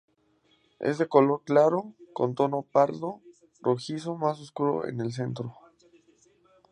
Es de color claro, con un tono pardo rojizo más oscuro en el centro.